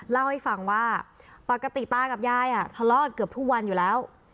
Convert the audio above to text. เล่าให้ฟังว่าปกติตากับยายทะเลาะเกือบทุกวันอยู่แล้ว